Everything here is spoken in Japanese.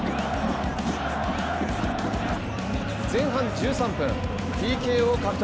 前半１３分、ＰＫを獲得。